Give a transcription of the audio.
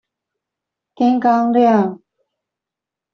天剛亮